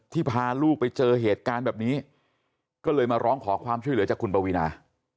พาลูกไปเจอเหตุการณ์แบบนี้ก็เลยมาร้องขอความช่วยเหลือจากคุณปวีนา